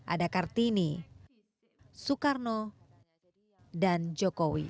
ada kartini soekarno dan jokowi